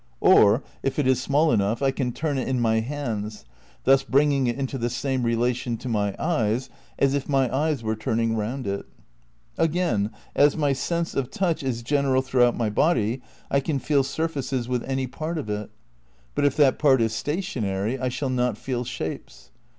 Or, if it is small enough, I can turn it in my hands, thus bringing it into the same relation to my eyes as if my eyes were turning round it. Again, as my sense of touch is general throughout my body, I can feel surfaces with any part 74 THE NEW IDEALISM in of it; but if that part is stationary I shall not feel shapes.